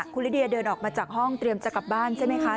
คุณลิเดียเดินออกมาจากห้องเตรียมจะกลับบ้านใช่ไหมคะ